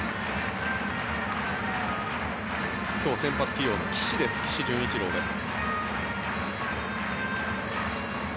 今日、先発起用の岸潤一郎です。